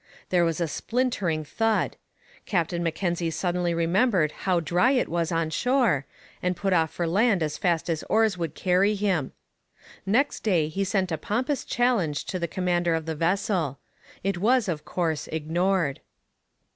There was a splintering thud. Captain Mackenzie suddenly remembered how dry it was on shore, and put off for land as fast as oars would hurry him. Next day he sent a pompous challenge to the commander of the vessel. It was, of course, ignored.